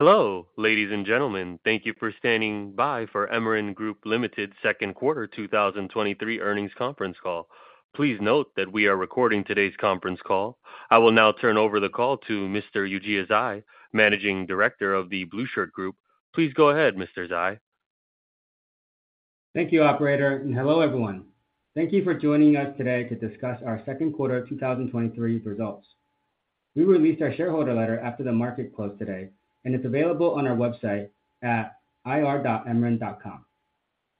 Hello, ladies and gentlemen. Thank you for standing by for Emeren Group Limited Second Quarter 2023 earnings conference call. Please note that we are recording today's conference call. I will now turn over the call to Mr. Yujia Zhai, Managing Director of The Blueshirt Group. Please go ahead, Mr. Zhai. Thank you, operator, and hello, everyone. Thank you for joining us today to discuss our second quarter 2023 results. We released our shareholder letter after the market closed today, and it's available on our website at ir.emeren.com.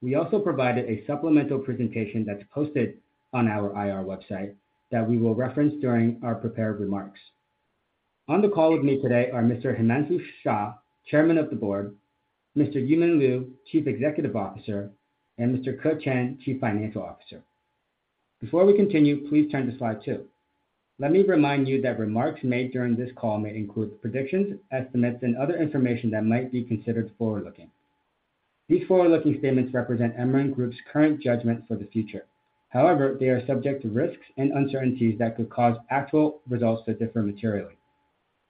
We also provided a supplemental presentation that's posted on our IR website that we will reference during our prepared remarks. On the call with me today are Mr. Himanshu Shah, Chairman of the Board, Mr. Yumin Liu, Chief Executive Officer, and Mr. Ke Chen, Chief Financial Officer. Before we continue, please turn to slide two. Let me remind you that remarks made during this call may include predictions, estimates, and other information that might be considered forward-looking. These forward-looking statements represent Emeren Group's current judgment for the future. However, they are subject to risks and uncertainties that could cause actual results to differ materially.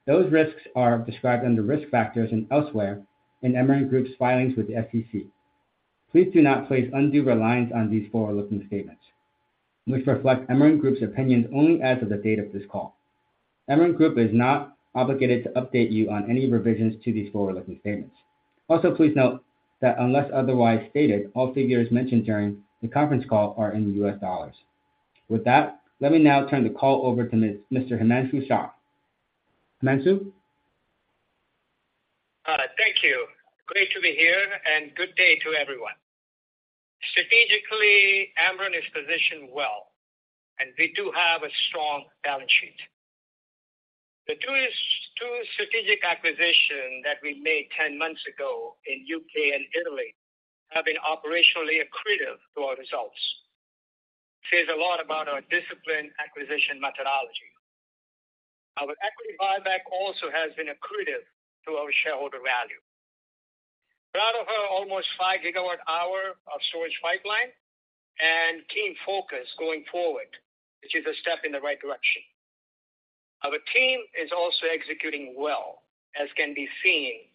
Those risks are described under risk factors and elsewhere in Emeren Group's filings with the SEC. Please do not place undue reliance on these forward-looking statements, which reflect Emeren Group's opinions only as of the date of this call. Emeren Group is not obligated to update you on any revisions to these forward-looking statements. Also, please note that unless otherwise stated, all figures mentioned during the conference call are in US dollars. With that, let me now turn the call over to Mr. Himanshu Shah. Himanshu? Thank you. Great to be here, and good day to everyone. Strategically, Emeren is positioned well, and we do have a strong balance sheet. The two strategic acquisition that we made 10 months ago in U.K. and Italy have been operationally accretive to our results. Says a lot about our discipline acquisition methodology. Our equity buyback also has been accretive to our shareholder value. We're out of our almost 5 gigawatt hour of storage pipeline and team focus going forward, which is a step in the right direction. Our team is also executing well, as can be seen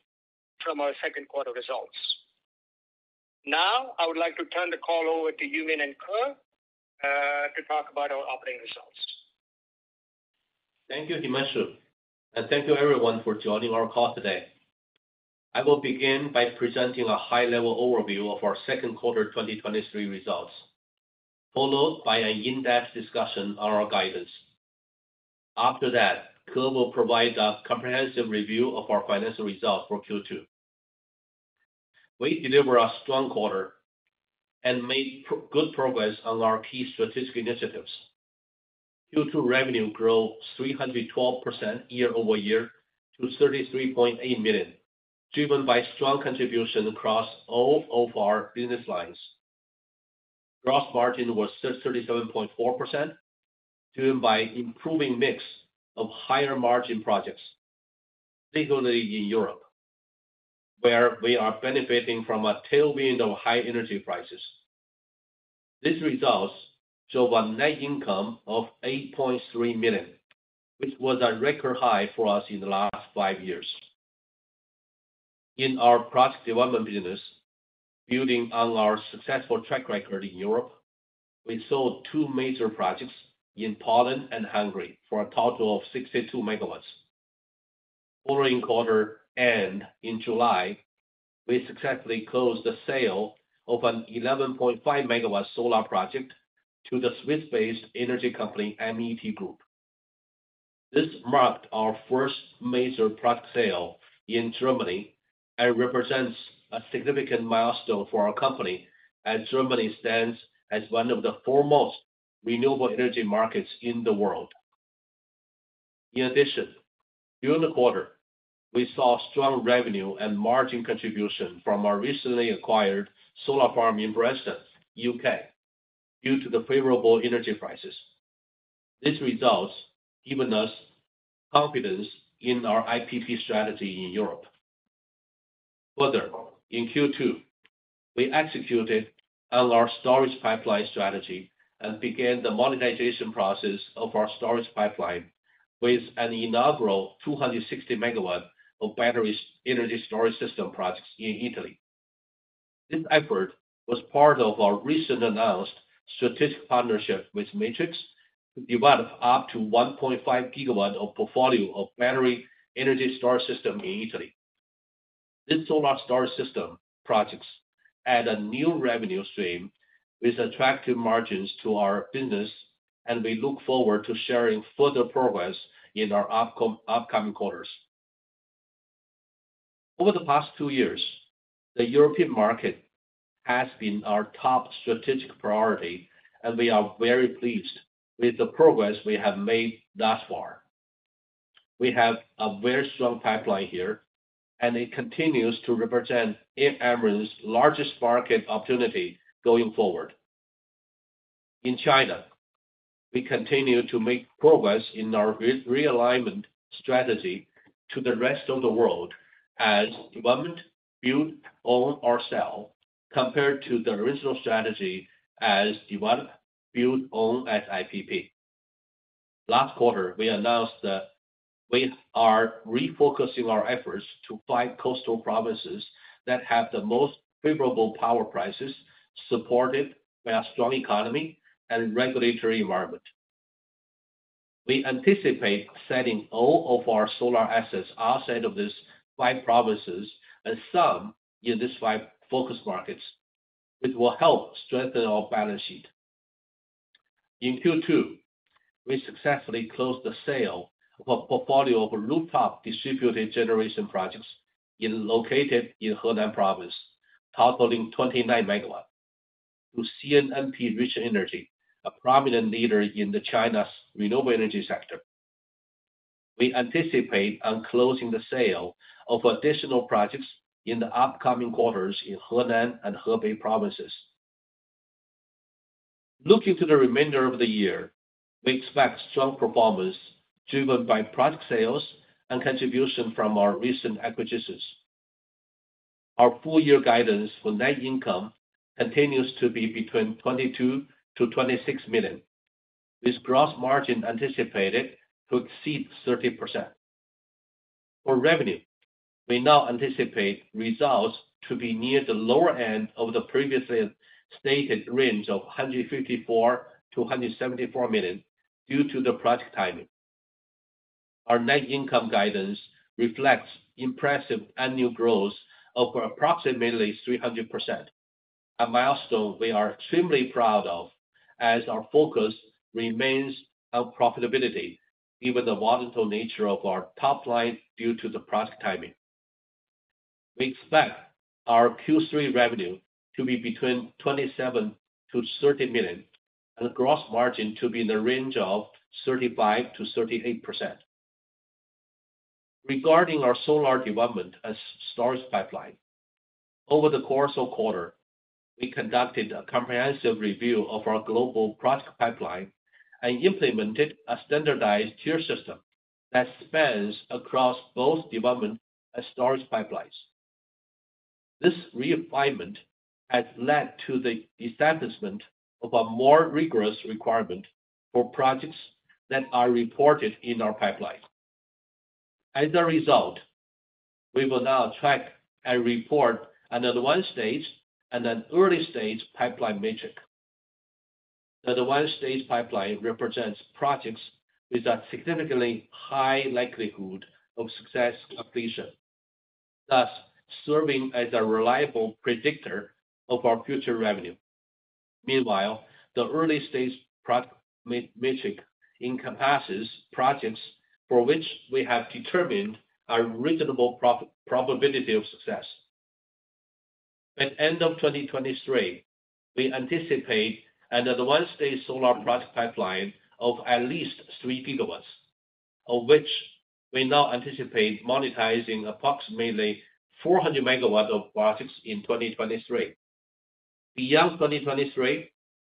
from our second quarter results. Now, I would like to turn the call over to Yumin and Ke to talk about our operating results. Thank you, Himanshu, and thank you everyone for joining our call today. I will begin by presenting a high-level overview of our second quarter 2023 results, followed by an in-depth discussion on our guidance. After that, Ke will provide a comprehensive review of our financial results for Q2. We delivered a strong quarter and made good progress on our key strategic initiatives. Q2 revenue grew 312% year-over-year to $33.8 million, driven by strong contribution across all of our business lines. Gross margin was 37.4%, driven by improving mix of higher-margin projects, particularly in Europe, where we are benefiting from a tailwind of high energy prices. These results show a net income of $8.3 million, which was a record high for us in the last five years. In our project development business, building on our successful track record in Europe, we sold two major projects in Poland and Hungary for a total of 62 MW. Following quarter, and in July, we successfully closed the sale of an 11.5 MW solar project to the Swiss-based energy company, MET Group. This marked our first major product sale in Germany and represents a significant milestone for our company, as Germany stands as one of the foremost renewable energy markets in the world. In addition, during the quarter, we saw strong revenue and margin contribution from our recently acquired solar farm in Branston, U.K., due to the favorable energy prices. This results given us confidence in our IPP strategy in Europe. Further, in Q2, we executed on our storage pipeline strategy and began the monetization process of our storage pipeline with an inaugural 260 MW of battery energy storage system projects in Italy. This effort was part of our recent announced strategic partnership with Matrix Renewables to develop up to 1.5 GW of portfolio of battery energy storage system in Italy. These solar storage system projects add a new revenue stream with attractive margins to our business, and we look forward to sharing further progress in our upcoming quarters. Over the past two years, the European market has been our top strategic priority, and we are very pleased with the progress we have made thus far. We have a very strong pipeline here, and it continues to represent Emeren's largest market opportunity going forward. In China, we continue to make progress in our realignment strategy to the rest of the world as develop, build, own, or sell, compared to the original strategy as develop, build, own, as IPP. Last quarter, we announced that we are refocusing our efforts to five coastal provinces that have the most favorable power prices, supported by a strong economy and regulatory environment. We anticipate selling all of our solar assets outside of these five provinces, and some in these five focus markets, which will help strengthen our balance sheet. In Q2, we successfully closed the sale of a portfolio of rooftop distributed generation projects located in Henan Province, totaling 29 MW, to CNBM Ruchi Energy, a prominent leader in China's renewable energy sector. We anticipate on closing the sale of additional projects in the upcoming quarters in Henan and Hebei provinces. Looking to the remainder of the year, we expect strong performance, driven by product sales and contribution from our recent acquisitions. Our full year guidance for net income continues to be between $22-$26 million, with gross margin anticipated to exceed 30%. For revenue, we now anticipate results to be near the lower end of the previously stated range of $154-$174 million due to the project timing. Our net income guidance reflects impressive annual growth of approximately 300%, a milestone we are extremely proud of, as our focus remains on profitability, given the volatile nature of our top line due to the project timing. We expect our Q3 revenue to be between $27-$30 million, and the gross margin to be in the range of 35%-38%. Regarding our solar development and storage pipeline, over the course of quarter, we conducted a comprehensive review of our global project pipeline and implemented a standardized tier system that spans across both development and storage pipelines. This realignment has led to the establishment of a more rigorous requirement for projects that are reported in our pipeline. As a result, we will now track and report an advanced-stage and an early-stage pipeline metric. The advanced-stage pipeline represents projects with a significantly high likelihood of success completion, thus serving as a reliable predictor of our future revenue. Meanwhile, the early-stage project metric encompasses projects for which we have determined a reasonable probability of success. By end of 2023, we anticipate an advanced-stage solar project pipeline of at least 3 gigawatts, of which we now anticipate monetizing approximately 400 megawatts of projects in 2023. Beyond 2023,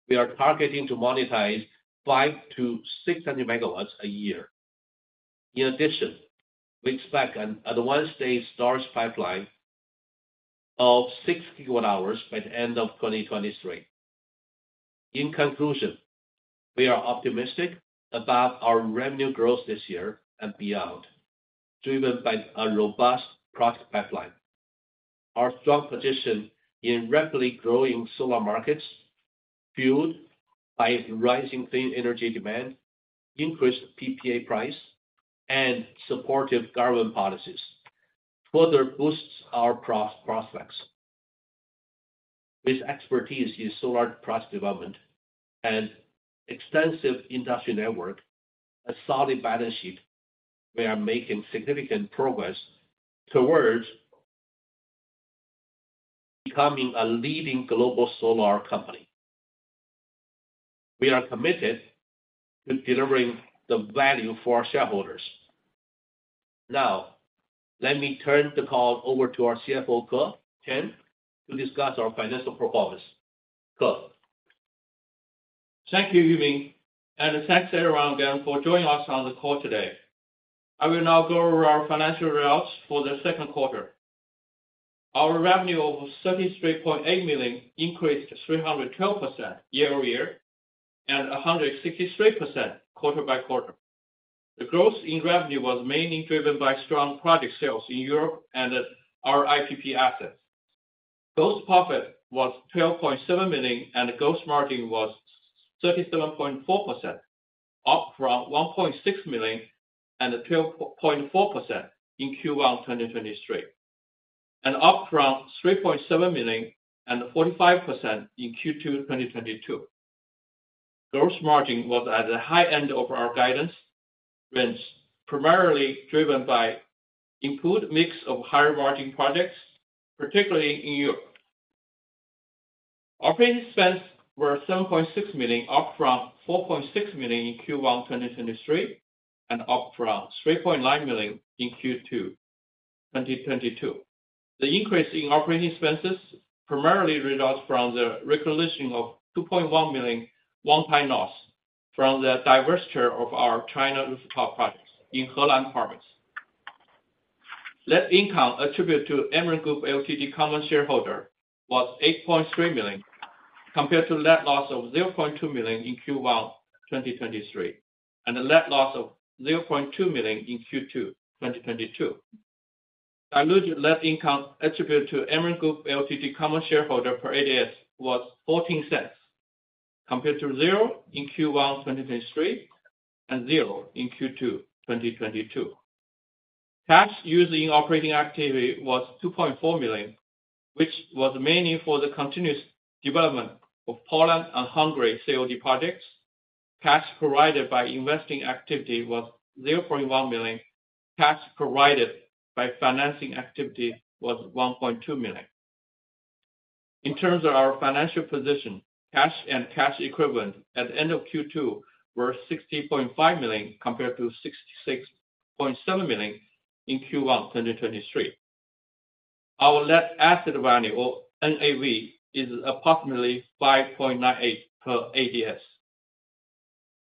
we are targeting to monetize 500-600 megawatts a year. In addition, we expect an advanced stage storage pipeline of 6 gigawatt hours by the end of 2023. In conclusion, we are optimistic about our revenue growth this year and beyond, driven by a robust project pipeline. Our strong position in rapidly growing solar markets, fueled by rising clean energy demand, increased PPA price, and supportive government policies, further boosts our prospects. With expertise in solar project development and extensive industry network, a solid balance sheet, we are making significant progress towards becoming a leading global solar company. We are committed to delivering the value for our shareholders. Now, let me turn the call over to our CFO, Ke Chen, to discuss our financial performance. Ke? Thank you, Yumin, and thanks everyone again for joining us on the call today. I will now go over our financial results for the second quarter. Our revenue of $33.8 million increased 312% year over year, and 163% quarter by quarter. The growth in revenue was mainly driven by strong project sales in Europe and our IPP assets. Gross profit was $12.7 million, and the gross margin was 37.4%, up from $1.6 million and 12.4% in Q1 2023, and up from $3.7 million and 45% in Q2 2022. Gross margin was at the high end of our guidance range, primarily driven by improved mix of higher-margin projects, particularly in Europe. Operating expenses were $7.6 million, up from $4.6 million in Q1 2023, and up from $3.9 million in Q2 2022. The increase in operating expenses primarily results from the recognition of $2.1 million one-time loss from the divestiture of our China rooftop projects in Henan Province. Net income attributed to Emeren Group Ltd common shareholder was $8.3 million, compared to net loss of $0.2 million in Q1 2023, and a net loss of $0.2 million in Q2 2022. Diluted net income attributed to Emeren Group Ltd common shareholder per ADS was $0.14, compared to zero in Q1 2023, and zero in Q2 2022. Cash used in operating activities was $2.4 million, which was mainly for the continuous development of Poland and Hungary COD projects. Cash provided by investing activities was $0.1 million. Cash provided by financing activities was $1.2 million. In terms of our financial position, cash and cash equivalents at the end of Q2 were $60.5 million, compared to $66.7 million in Q1 2023. Our net asset value, or NAV, is approximately 5.98 per ADS.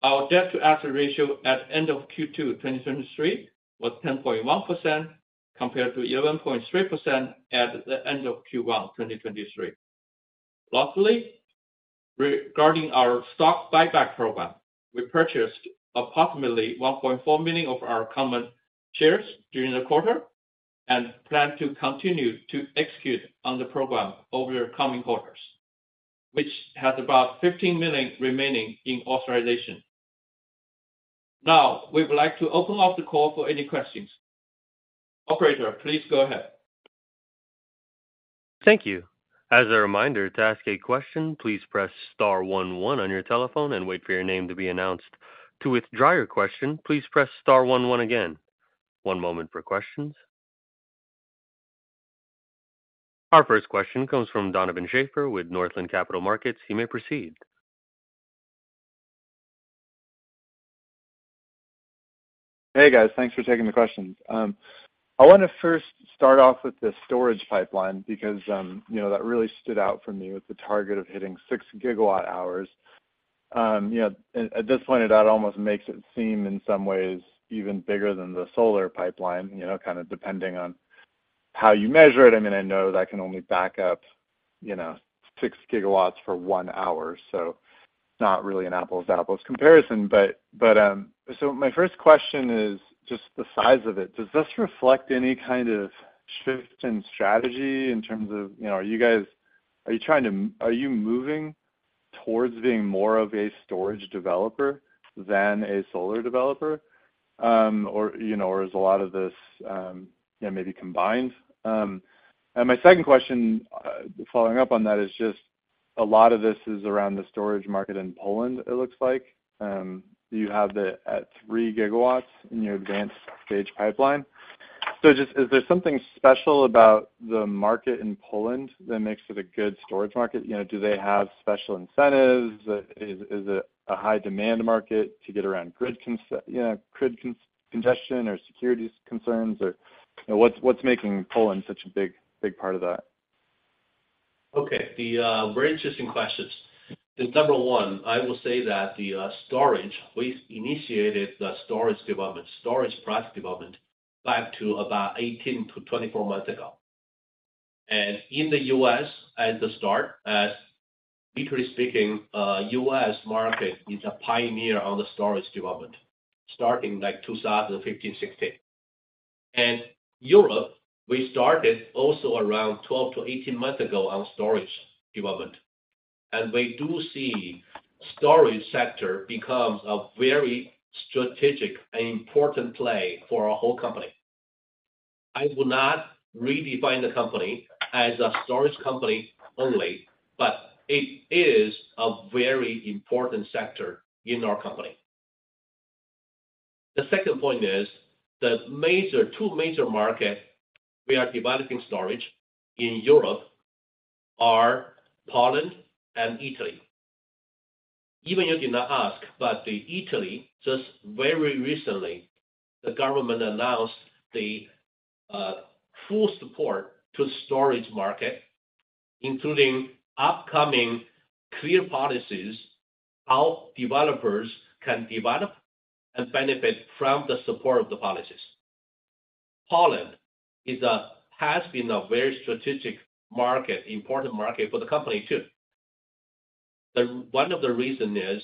Our debt-to-asset ratio at end of Q2 2023 was 10.1%, compared to 11.3% at the end of Q1 2023. Lastly, regarding our stock buyback program, we purchased approximately 1.4 million of our common shares during the quarter, and plan to continue to execute on the program over the coming quarters, which has about $15 million remaining in authorization. Now, we would like to open up the call for any questions. Operator, please go ahead. Thank you. As a reminder, to ask a question, please press star one one on your telephone and wait for your name to be announced. To withdraw your question, please press star one one again. One moment for questions. Our first question comes from Donovan Schafer with Northland Capital Markets. He may proceed. Hey, guys. Thanks for taking the questions. I want to first start off with the storage pipeline, because, you know, that really stood out for me with the target of hitting 6 GWh. You know, at this point, it almost makes it seem, in some ways, even bigger than the solar pipeline, you know, kind of depending on how you measure it. I mean, I know that can only back up, you know, 6 GW for one hour, so not really an apples-to-apples comparison. But, so my first question is just the size of it. Does this reflect any kind of shift in strategy in terms of, you know, are you guys moving towards being more of a storage developer than a solar developer? Or, you know, or is a lot of this, you know, maybe combined? And my second question, following up on that, is just a lot of this is around the storage market in Poland, it looks like. You have it at 3 GW in your advanced stage pipeline. So just, is there something special about the market in Poland that makes it a good storage market? You know, do they have special incentives? Is it a high demand market to get around grid congestion or security concerns? Or, you know, what's making Poland such a big, big part of that? Okay, the very interesting questions. The number one, I will say that the storage, we initiated the storage development, storage product development back to about 18-24 months ago. And in the U.S., at the start, as literally speaking, U.S. market is a pioneer on the storage development, starting like 2015, 2016. And Europe, we started also around 12-18 months ago on storage development. And we do see storage sector becomes a very strategic and important play for our whole company. I will not redefine the company as a storage company only, but it is a very important sector in our company. The second point is, the major, two major market we are developing storage in Europe are Poland and Italy. Even you did not ask, but the Italy, just very recently, the government announced the full support to storage market, including upcoming clear policies, how developers can develop and benefit from the support of the policies. Poland is a, has been a very strategic market, important market for the company, too. One of the reason is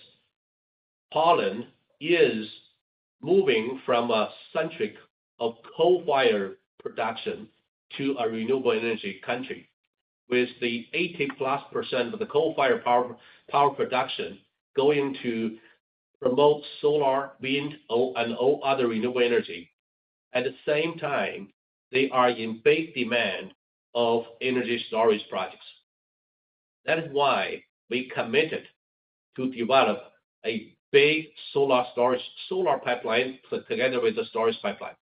Poland is moving from a centric of coal-fired production to a renewable energy country, with the 80%+ of the coal-fired power production going to promote solar, wind, and all other renewable energy. At the same time, they are in big demand of energy storage projects. That is why we committed to develop a big solar storage, solar pipeline together with the storage pipeline.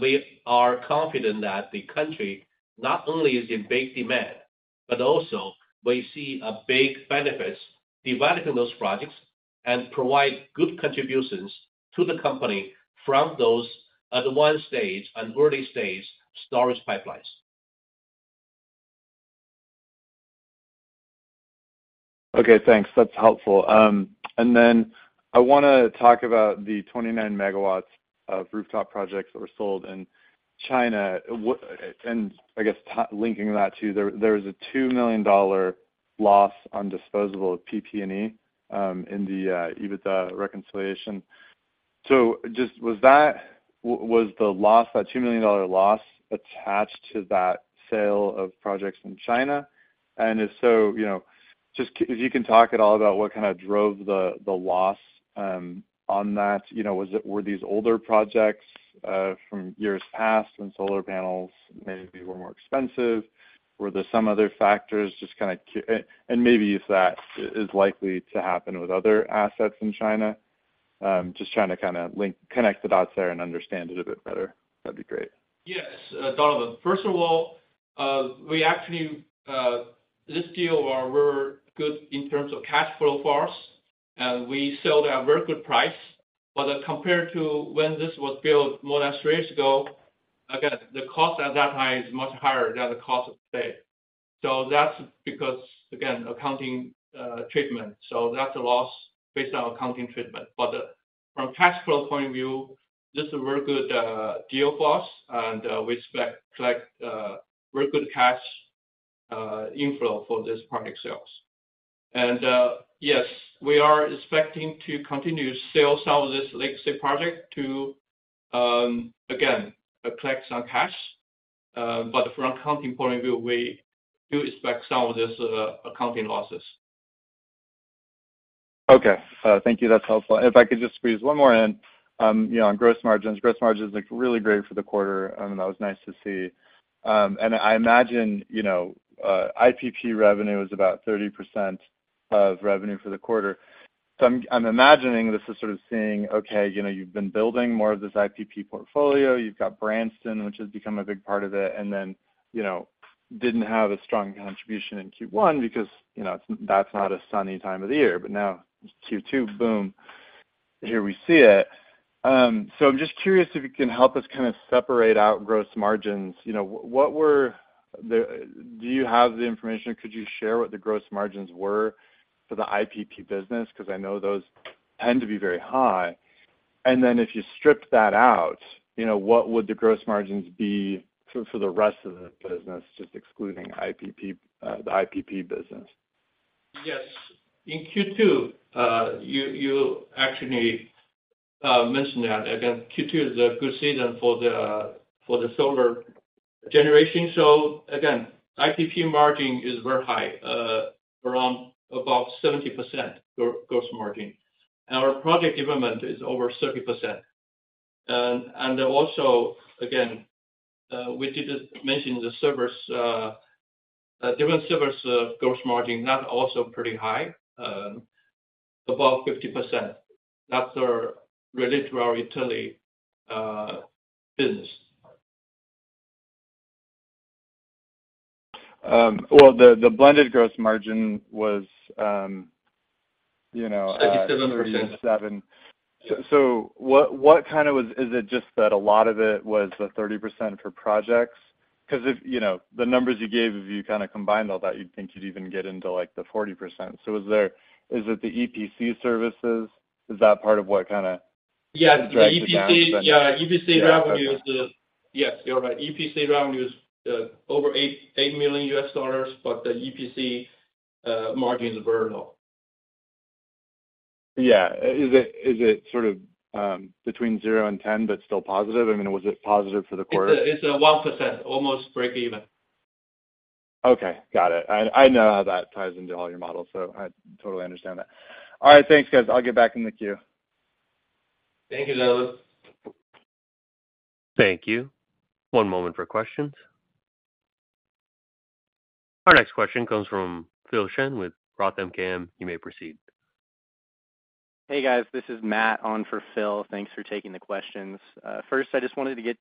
We are confident that the country not only is in big demand, but also we see big benefits developing those projects and provide good contributions to the company from those at one stage and early stage storage pipelines. Okay, thanks. That's helpful. And then I wanna talk about the 29 megawatts of rooftop projects that were sold in China. What, and I guess linking that to there, there is a $2 million loss on disposal of PP&E in the EBITDA reconciliation. So just was that, was the loss, that $2 million loss attached to that sale of projects in China? And if so, you know, just if you can talk at all about what kind of drove the, the loss on that, you know, was it were these older projects from years past when solar panels maybe were more expensive? Were there some other factors just kind of and, and maybe if that is likely to happen with other assets in China? Just trying to kind of link, connect the dots there and understand it a bit better. That'd be great. Yes, Donovan. First of all, we actually this deal were good in terms of cash flow for us, and we sold at a very good price. But compared to when this was built more than three years ago, again, the cost at that time is much higher than the cost of today. So that's because, again, accounting treatment, so that's a loss based on accounting treatment. But from a cash flow point of view, this is a very good deal for us, and we expect collect very good cash inflow for this project sales. And yes, we are expecting to continue to sell some of this legacy project to again collect some cash. But from accounting point of view, we do expect some of this accounting losses. Okay, thank you. That's helpful. If I could just squeeze one more in, you know, on gross margins. Gross margins looked really great for the quarter, and that was nice to see. And I imagine, you know, IPP revenue is about 30% of revenue for the quarter. So I'm imagining this is sort of seeing, okay, you know, you've been building more of this IPP portfolio. You've got Branston, which has become a big part of it, and then, you know, didn't have a strong contribution in Q1 because, you know, it's, that's not a sunny time of the year. But now, Q2, boom! Here we see it. So I'm just curious if you can help us kind of separate out gross margins. You know, what were the... Do you have the information? Could you share what the gross margins were for the IPP business? Because I know those tend to be very high. And then if you strip that out, you know, what would the gross margins be for the rest of the business, just excluding IPP, the IPP business? Yes. In Q2, you actually mentioned that. Again, Q2 is a good season for the solar generation. So again, IPP margin is very high, around about 70% gross margin. Our project development is over 30%. And also, again, we did mention the service, different service, gross margin, that also pretty high, above 50%. That's our related to our Italy business. Well, the blended gross margin was, you know, 37. 37. So what kind of was... Is it just that a lot of it was the 30% for projects? Because if, you know, the numbers you gave, if you kind of combined all that, you'd think you'd even get into, like, the 40%. So was there- is it the EPC services? Is that part of what kind of- Yes- Drag the down? The EPC, yeah, EPC revenue is the- Yeah. Yes, you're right. EPC revenue is over $88 million, but the EPC margin is very low. Yeah. Is it, is it sort of, between 0 and 10, but still positive? I mean, was it positive for the quarter? It's a 1%, almost break even. Okay, got it. I, I know how that ties into all your models, so I totally understand that. All right, thanks, guys. I'll get back in the queue. Thank you, Donovan. Thank you. One moment for questions. Our next question comes from Phil Shen with Roth MKM. You may proceed. Hey, guys, this is Matt on for Phil. Thanks for taking the questions. First, I just wanted to get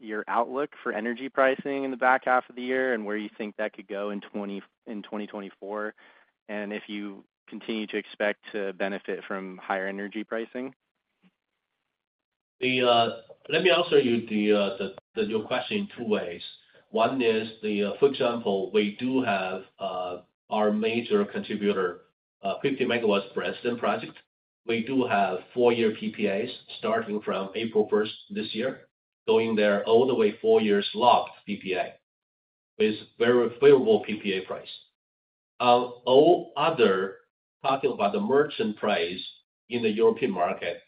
your outlook for energy pricing in the back half of the year and where you think that could go in 2024, and if you continue to expect to benefit from higher energy pricing. Let me answer your question in two ways. One is, for example, we do have our major contributor, 50 megawatts Branston project. We do have four-year PPAs starting from April 1 this year, going there all the way, four years locked PPA, with very favorable PPA price. All other, talking about the merchant price in the European market,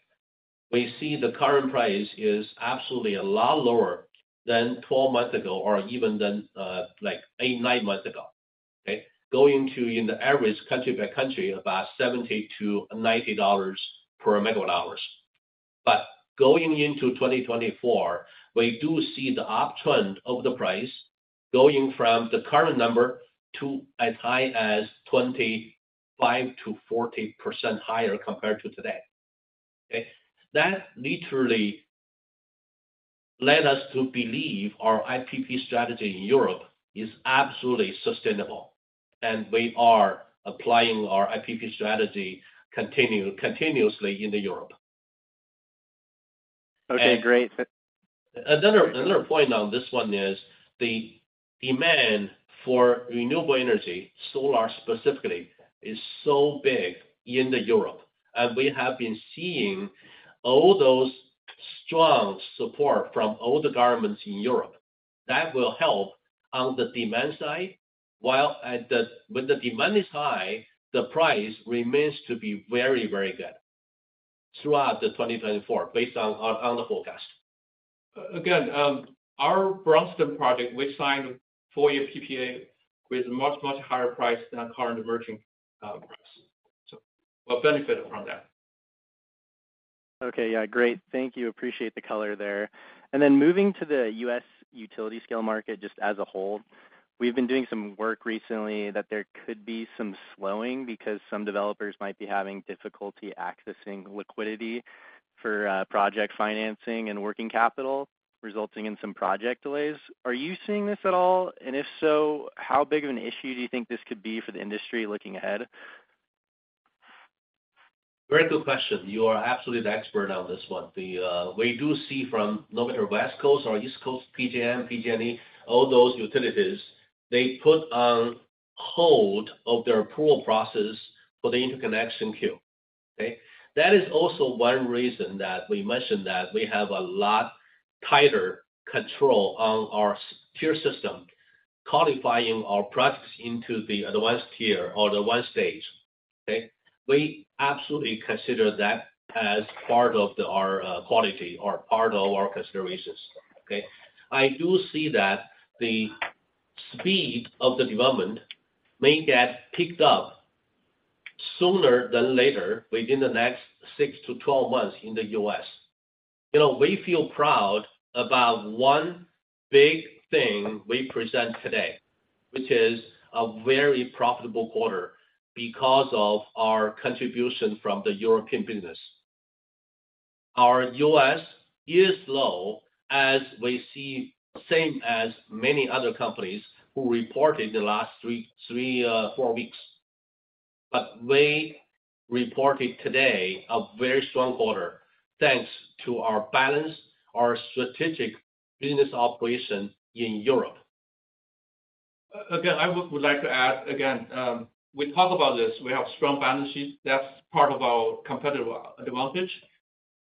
we see the current price is absolutely a lot lower than 12 months ago or even than, like, 8-9 months ago. Okay? Going into the average country by country, about $70-$90 per megawatt hours. But going into 2024, we do see the uptrend of the price going from the current number to as high as 25%-40% higher compared to today. Okay? That literally led us to believe our IPP strategy in Europe is absolutely sustainable, and we are applying our IPP strategy continuously in Europe. Okay, great. Another, another point on this one is the demand for renewable energy, solar specifically, is so big in the Europe, and we have been seeing all those strong support from all the governments in Europe. That will help on the demand side, while, when the demand is high, the price remains to be very, very good throughout 2024, based on the forecast. Again, our Branston project, we signed a four-year PPA with much, much higher price than current Emeren price. So we'll benefit from that. Okay, yeah, great. Thank you. Appreciate the color there. And then moving to the U.S. utility-scale market, just as a whole, we've been doing some work recently that there could be some slowing because some developers might be having difficulty accessing liquidity for project financing and working capital, resulting in some project delays. Are you seeing this at all? And if so, how big of an issue do you think this could be for the industry looking ahead? Very good question. You are absolutely the expert on this one. The, we do see from no matter West Coast or East Coast, PG&E, PG&E, all those utilities, they put on hold of their approval process for the interconnection queue. Okay? That is also one reason that we mentioned that we have a lot tighter control on our tier system, qualifying our products into the advanced tier or the one stage, okay? We absolutely consider that as part of the, our, quality or part of our considerations, okay? I do see that the speed of the development may get picked up sooner than later, within the next 6-12 months in the U.S. You know, we feel proud about one big thing we present today, which is a very profitable quarter because of our contribution from the European business. Our U.S. is low, as we see, same as many other companies who reported the last three, four weeks. But we reported today a very strong quarter, thanks to our balance, our strategic business operation in Europe. Again, I would like to add again, we talk about this, we have strong balance sheet. That's part of our competitive advantage.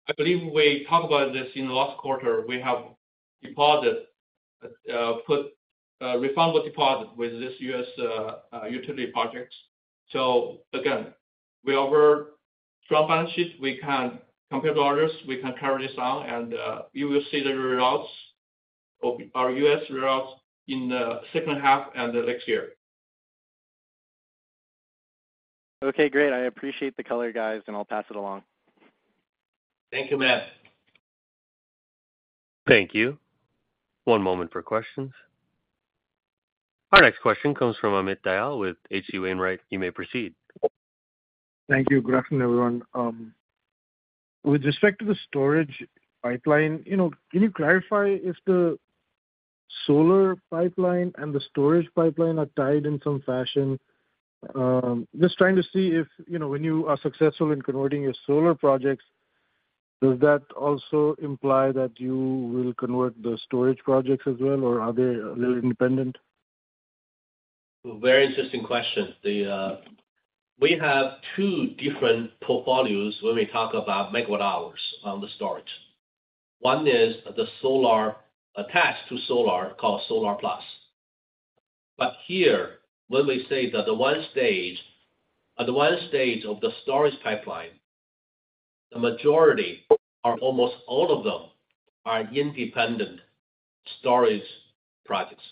I believe we talked about this in the last quarter. We have deposit, put, refundable deposit with this U.S. utility projects. So again, we have a strong balance sheet. We can compare to others, we can carry this on, and you will see the results of our U.S. results in the second half and the next year. Okay, great. I appreciate the color, guys, and I'll pass it along. Thank you, Matt. Thank you. One moment for questions. Our next question comes from Amit Dayal with H.C. Wainwright. You may proceed. Thank you. Good afternoon, everyone. With respect to the storage pipeline, you know, can you clarify if the solar pipeline and the storage pipeline are tied in some fashion? Just trying to see if, you know, when you are successful in converting your solar projects, does that also imply that you will convert the storage projects as well, or are they a little independent? Very interesting question. The, we have two different portfolios when we talk about megawatt hours on the storage. One is the solar, attached to solar, called Solar Plus. But here, when we say that the one stage, at the one stage of the storage pipeline, the majority, or almost all of them, are independent storage projects.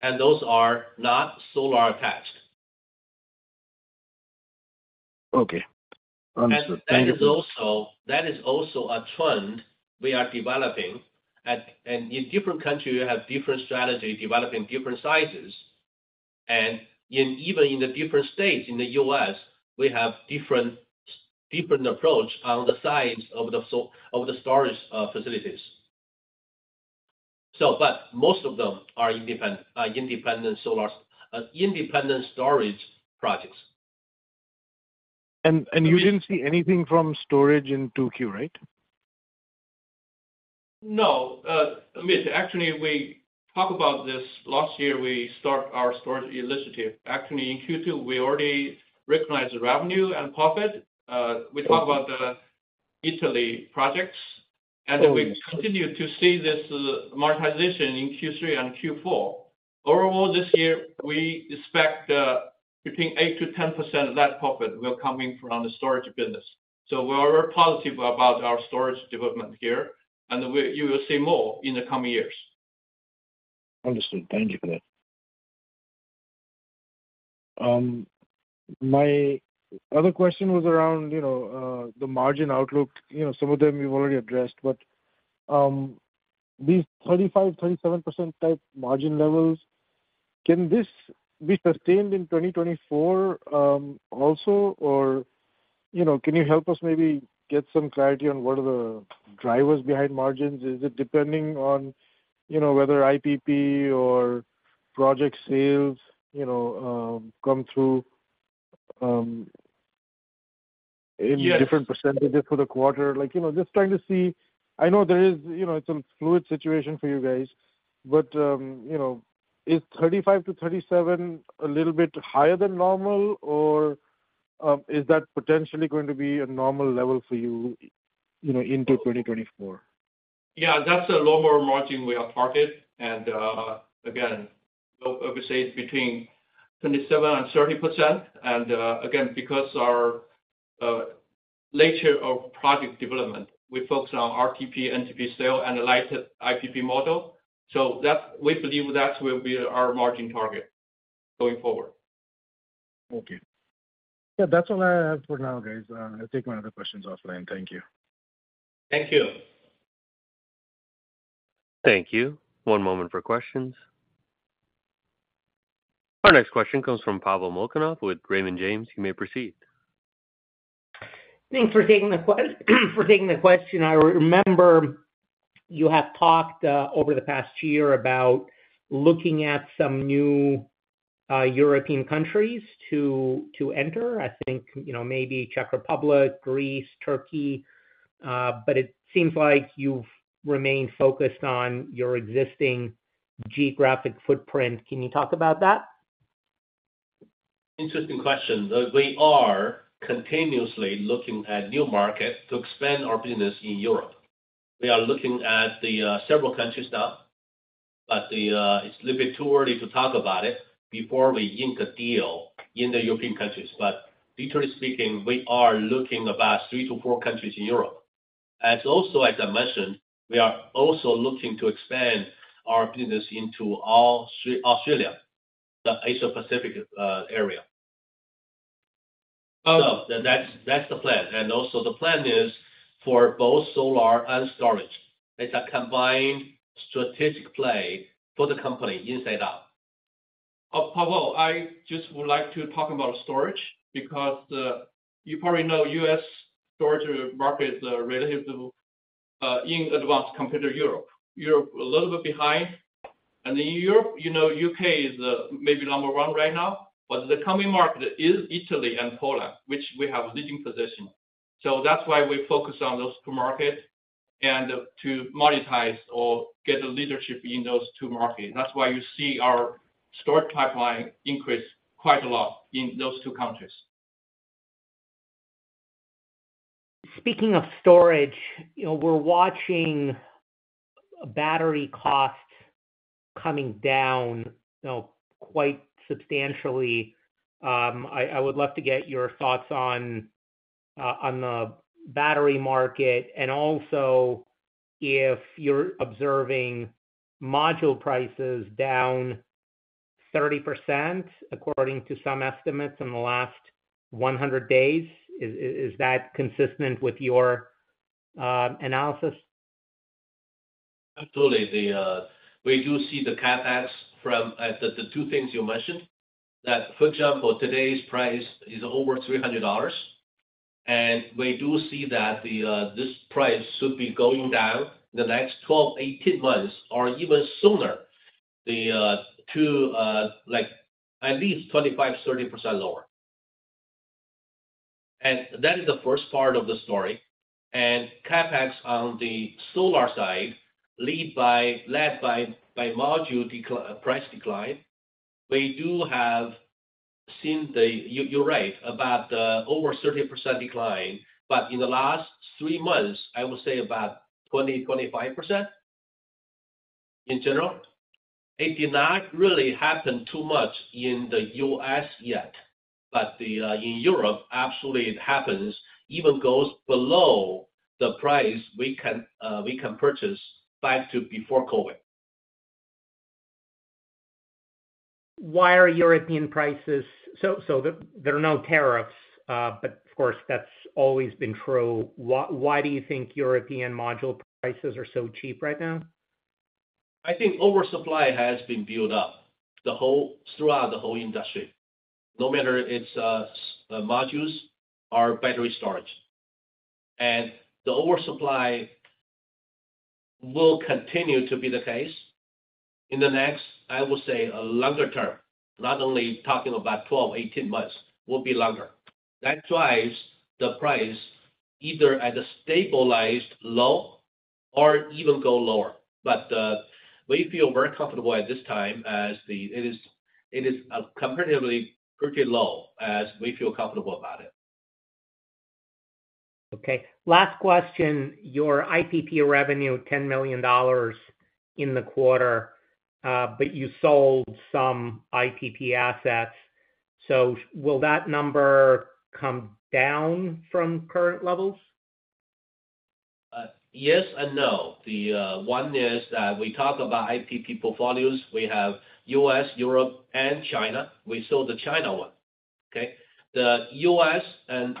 And those are not solar attached. Okay. Understood. Thank you. That is also a trend we are developing. In different countries, we have different strategies, developing different sizes. Even in the different states in the U.S., we have different approach on the size of the solar storage facilities. But most of them are independent storage projects. You didn't see anything from storage in 2Q, right? No. Amit, actually, we talked about this. Last year, we start our storage initiative. Actually, in Q2, we already recognized the revenue and profit. We talked about the Italy projects- Yes. We continue to see this monetization in Q3 and Q4. Overall, this year, we expect between 8%-10% of that profit will coming from the storage business. So we are very positive about our storage development here, and you will see more in the coming years. Understood. Thank you for that. My other question was around, you know, the margin outlook. You know, some of them you've already addressed, but, these 35%-37% type margin levels, can this be sustained in 2024, also? Or, you know, can you help us maybe get some clarity on what are the drivers behind margins? Is it depending on, you know, whether IPP or project sales, you know, come through in different percentages for the quarter. Like, you know, just trying to see. I know there is, you know, it's a fluid situation for you guys, but, you know, is 35%-37% a little bit higher than normal? Or, is that potentially going to be a normal level for you, you know, into 2024? Yeah, that's a lower margin we are target. Again, I would say it's between 27% and 30%. Again, because our nature of project development, we focus on RTP, NTP sale, and the light IPP model. So that we believe that will be our margin target going forward. Okay. Yeah, that's all I have for now, guys. I take my other questions off then. Thank you. Thank you. Thank you. One moment for questions. Our next question comes from Pavel Molchanov with Raymond James. You may proceed. Thanks for taking the question. I remember you have talked over the past year about looking at some new European countries to enter. I think, you know, maybe Czech Republic, Greece, Turkey, but it seems like you've remained focused on your existing geographic footprint. Can you talk about that? Interesting question. Though we are continuously looking at new market to expand our business in Europe. We are looking at the several countries now, but it's a little bit too early to talk about it before we ink a deal in the European countries. But literally speaking, we are looking about three to four countries in Europe. And also, as I mentioned, we are also looking to expand our business into Australia, the Asia Pacific area. That's the plan. And also the plan is for both solar and storage. It's a combined strategic play for the company inside out. Oh, Pavel, I just would like to talk about storage because, you probably know, U.S. storage market is relatively, in advance compared to Europe. Europe a little bit behind, and in Europe, you know, U.K. is the maybe number one right now, but the coming market is Italy and Poland, which we have a leading position. So that's why we focus on those two market and to monetize or get a leadership in those two markets. That's why you see our storage pipeline increase quite a lot in those two countries. Speaking of storage, you know, we're watching battery costs coming down, you know, quite substantially. I would love to get your thoughts on the battery market and also if you're observing module prices down 30%, according to some estimates, in the last 100 days. Is that consistent with your analysis? Absolutely. The, we do see the CapEx from, the, the two things you mentioned. That, for example, today's price is over $300, and we do see that the, this price should be going down the next 12-18 months or even sooner, to, like at least 25%-30% lower. And that is the first part of the story. And CapEx on the solar side, led by module price decline. We do have, since the... You're right, about, over 30% decline, but in the last three months, I would say about 20%-25% in general. It did not really happen too much in the U.S. yet, but in Europe, absolutely, it happens, even goes below the price we can purchase back to before COVID. Why are European prices so there are no tariffs, but of course, that's always been true. Why do you think European module prices are so cheap right now? I think oversupply has been built up throughout the whole industry, no matter it's modules or battery storage. And the oversupply will continue to be the case in the next, I would say, a longer term, not only talking about 12, 18 months, will be longer. That drives the price either at a stabilized low or even go lower. But we feel very comfortable at this time as it is, it is a comparatively pretty low, as we feel comfortable about it. Okay, last question. Your IPP revenue, $10 million in the quarter, but you sold some IPP assets. So will that number come down from current levels? Yes and no. The one is, we talk about IPP portfolios. We have U.S., Europe, and China. We sold the China one, okay? The U.S. and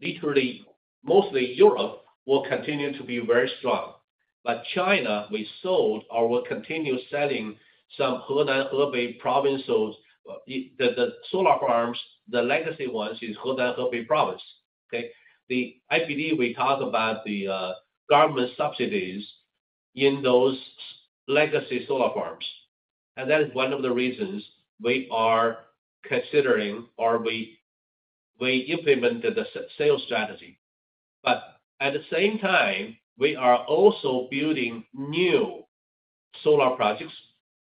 literally mostly Europe will continue to be very strong. But China, we sold or will continue selling some Henan, Hebei provinces. The solar farms, the legacy ones, is Henan, Hebei province, okay? The IPP, we talked about the government subsidies in those legacy solar farms, and that is one of the reasons we are considering, or we implemented the sales strategy. But at the same time, we are also building new solar projects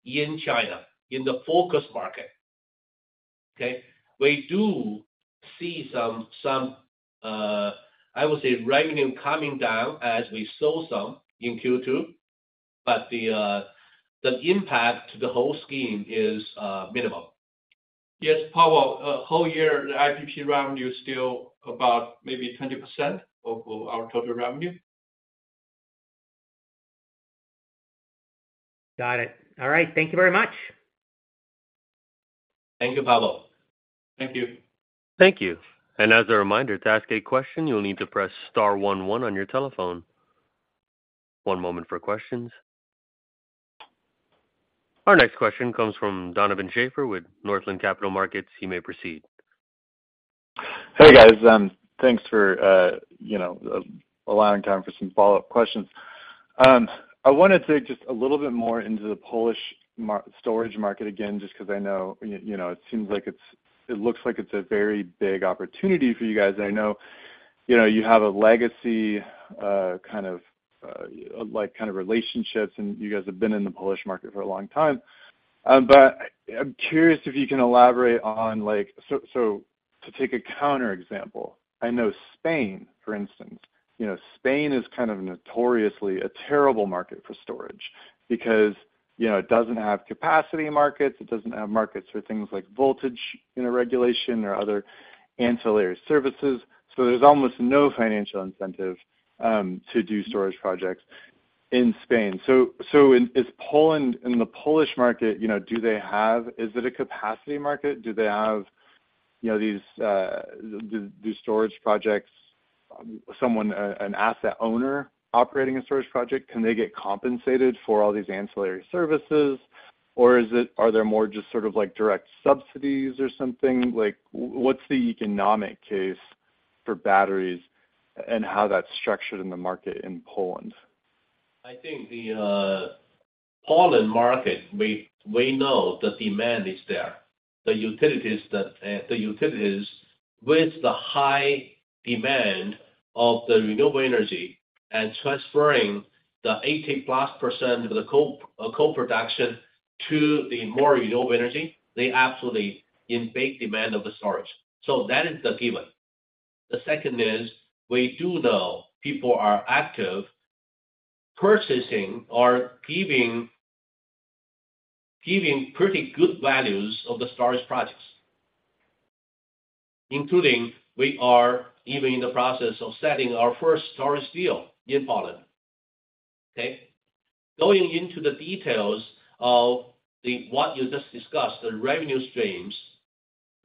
in China, in the focus market, okay? We do see some, I would say, revenue coming down as we sold some in Q2, but the impact to the whole scheme is minimal. Yes, Pablo, whole year, the IPP revenue is still about maybe 20% of our total revenue. Got it. All right. Thank you very much. Thank you, Pablo. Thank you. Thank you. And as a reminder, to ask a question, you'll need to press star one one on your telephone. One moment for questions. Our next question comes from Donovan Schafer with Northland Capital Markets. You may proceed. Hey, guys. Thanks for, you know, allowing time for some follow-up questions. I wanted to dig just a little bit more into the Polish storage market again, just 'cause I know, you know, it looks like it's a very big opportunity for you guys. I know, you know, you have a legacy, kind of, like, kind of relationships, and you guys have been in the Polish market for a long time. But I'm curious if you can elaborate on, like... So, to take a counter example, I know Spain, for instance, you know, Spain is kind of notoriously a terrible market for storage because, you know, it doesn't have capacity markets, it doesn't have markets for things like voltage in a regulation or other ancillary services, so there's almost no financial incentive to do storage projects in Spain. So, in Poland, in the Polish market, you know, do they have a capacity market? Is it a capacity market? Do they have, you know, these storage projects, an asset owner operating a storage project, can they get compensated for all these ancillary services, or are there more just sort of like direct subsidies or something? Like, what's the economic case for batteries and how that's structured in the market in Poland? I think the Poland market, we know the demand is there. The utilities, with the high demand of the renewable energy and transferring the 80%+ of the coal production to the more renewable energy, they absolutely in big demand of the storage. So that is the given. The second is, we do know people are active, purchasing or giving pretty good values of the storage projects, including we are even in the process of setting our first storage deal in Poland. Okay? Going into the details of the what you just discussed, the revenue streams,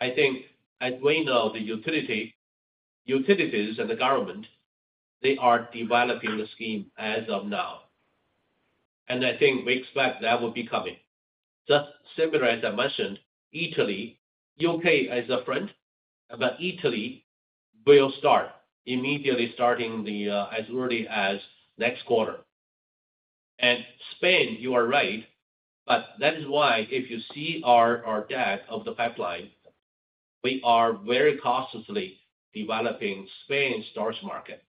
I think as we know, the utilities and the government, they are developing the scheme as of now. I think we expect that will be coming. Just similar, as I mentioned, Italy, U.K. as a friend, but Italy will start, immediately starting the, as early as next quarter. And Spain, you are right, but that is why if you see our, our deck of the pipeline, we are very cautiously developing Spain's storage market.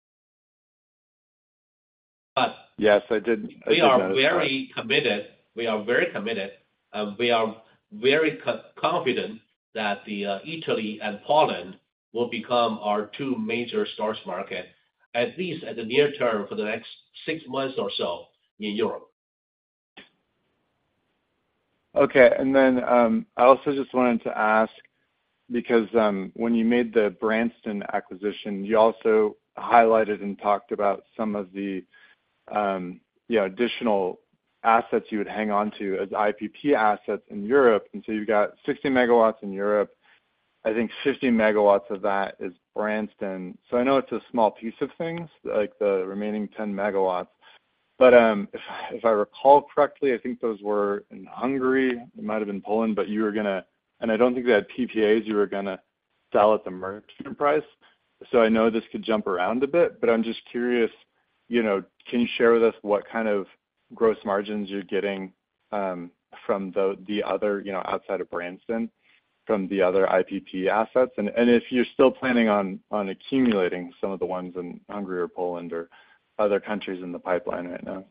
But- Yes, I did- We are very committed. We are very committed, and we are very confident that the Italy and Poland will become our two major storage market, at least at the near term, for the next six months or so in Europe. Okay, and then I also just wanted to ask, because when you made the Branston acquisition, you also highlighted and talked about some of the, you know, additional assets you would hang on to as IPP assets in Europe. And so you've got 60 MW in Europe. I think 50 MW of that is Branston. So I know it's a small piece of things, like the remaining 10 MW, but if I recall correctly, I think those were in Hungary. It might have been Poland, but you were gonna... And I don't think they had PPAs you were gonna sell at the merchant price. I know this could jump around a bit, but I'm just curious, you know, can you share with us what kind of gross margins you're getting from the other, you know, outside of Branston, from the other IPP assets? And if you're still planning on accumulating some of the ones in Hungary or Poland or other countries in the pipeline right now.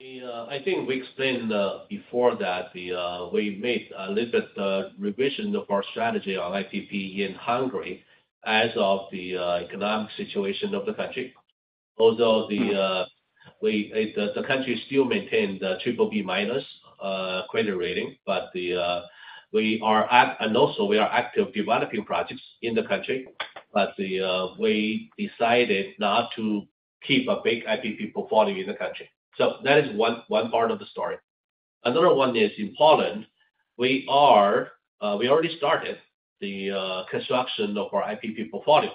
I think we explained before that we made a little bit revision of our strategy on IPP in Hungary as of the economic situation of the country. Although the country still maintained the triple B minus credit rating, but we are at- and also we are active developing projects in the country, but we decided not to keep a big IPP portfolio in the country. So that is one part of the story. Another one is in Poland. We already started the construction of our IPP portfolio.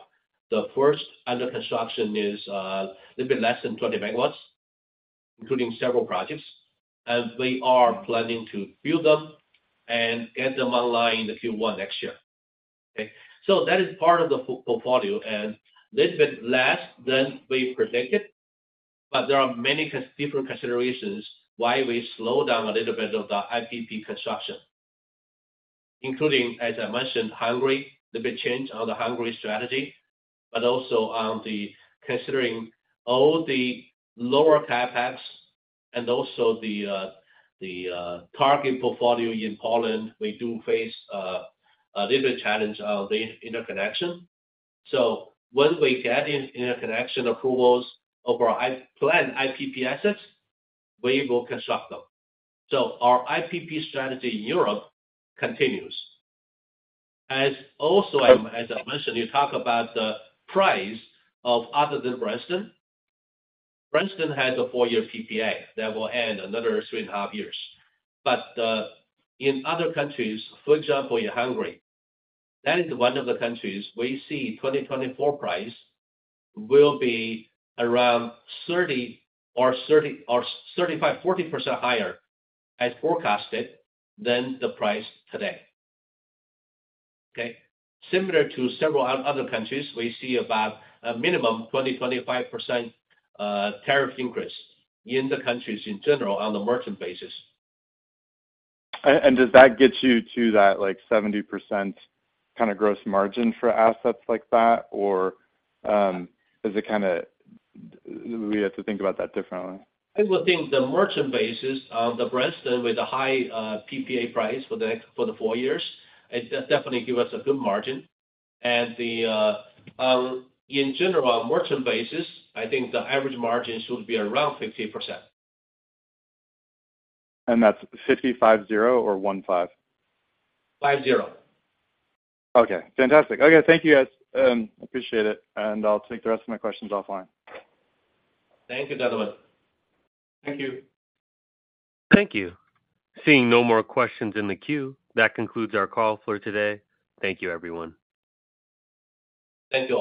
The first under construction is a little bit less than 20 MW, including several projects, and we are planning to build them and get them online in the Q1 next year. Okay, so that is part of the portfolio, and little bit less than we predicted, but there are many different considerations why we slow down a little bit of the IPP construction, including, as I mentioned, Hungary, the big change on the Hungary strategy, but also on the considering all the lower CapEx and also the target portfolio in Poland, we do face a little challenge of the interconnection. So when we get in interconnection approvals over our planned IPP assets, we will construct them. So our IPP strategy in Europe continues. And also, as I mentioned, you talk about the price of other than Branston. Branston has a four-year PPA that will end another three and a half years. In other countries, for example, in Hungary, that is one of the countries we see 2024 price will be around 30 or 35-40% higher as forecasted than the price today. Okay? Similar to several other countries, we see about a minimum 20-25% tariff increase in the countries in general on the merchant basis. Does that get you to that, like, 70% kind of gross margin for assets like that? Or, is it kind of, we have to think about that differently? I would think the merchant basis of the Branston with a high PPA price for the four years, it definitely give us a good margin. And in general, on merchant basis, I think the average margin should be around 50%. That's 55, 0 or 1, 5? Five, zero. Okay, fantastic. Okay, thank you, guys. Appreciate it, and I'll take the rest of my questions offline. Thank you, Donovan. Thank you. Thank you. Seeing no more questions in the queue, that concludes our call for today. Thank you, everyone. Thank you.